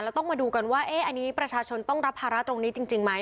แล้วต้องมาดูกันว่าประชาชนต้องรับภาระตรงนี้จริงไหม